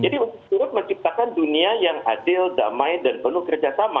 jadi menciptakan dunia yang adil damai dan penuh kerjasama